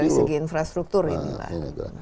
dari segi infrastruktur inilah